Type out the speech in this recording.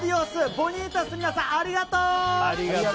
ボニータスの皆さんありがとう！